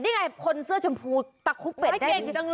นี่ไงคนเสื้อชมพูตักคุกเป็ดได้